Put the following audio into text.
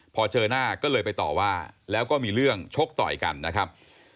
พอเจอหน้าก็เลยไปต่อว่าแล้วก็มีเรื่องชกต่อยกันนะครับ